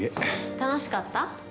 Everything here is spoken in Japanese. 楽しかった？